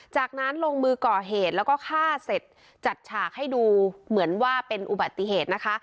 จากนั้นลงมือก่อเหตุแล้วก็ฆ่าเสร็จจัดฉากให้ดูเหมือนว่าเป็นอุบัติเหตุนะคะ